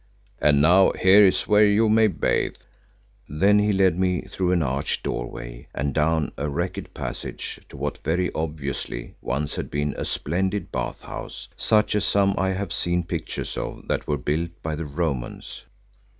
And now here is where you may bathe." Then he led me through an arched doorway and down a wrecked passage to what very obviously once had been a splendid bath house such as some I have seen pictures of that were built by the Romans.